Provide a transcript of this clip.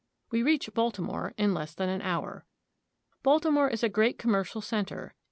We reach Baltimore in less than an hour. Baltimore is a great commercial center.